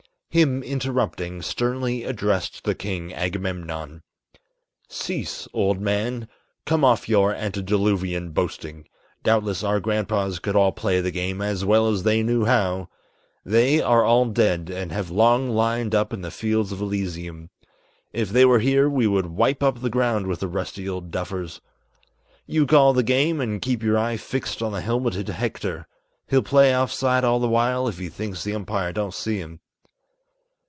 Him interrupting, sternly addressed the King Agamemnon: "Cease, old man; come off your antediluvian boasting; Doubtless our grandpas could all play the game as well as they knew how. They are all dead, and have long lined up in the fields of elysium; If they were here we would wipe up the ground with the rusty old duffers. You call the game, and keep your eye fixed on the helmeted Hector. He'll play off side all the while, if he thinks the umpire don't see him!"